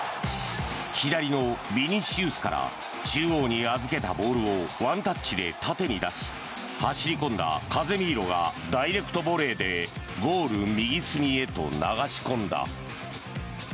左のビニシウスから中央に預けたボールをワンタッチで縦に出し走り込んだカゼミーロがダイレクトボレーでゴール右隅へと流し込んだ。